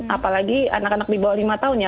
apalagi anak anak di bawah lima tahun ya